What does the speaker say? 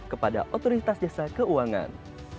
kepada otoritas jasa keuangan